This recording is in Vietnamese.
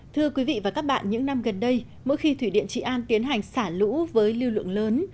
thưa quý vị và các bạn những năm gần đây mỗi khi thủy điện trị an tiến hành xả lũ với lưu lượng lớn